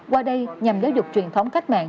qua đây nhằm giáo dục truyền thống khách mạng